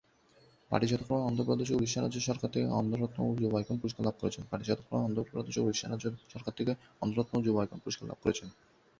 পাটি যথাক্রমে অন্ধ্র প্রদেশ এবং ওড়িশা রাজ্য সরকার থেকে "অন্ধ্র রত্ন" এবং "যুব আইকন" পুরস্কার লাভ করেছেন।